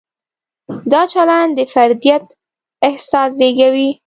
دا چلند د فردیت احساس زېږوي.